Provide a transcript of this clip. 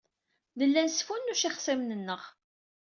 Nella nesfunnuc ixṣimen-nneɣ.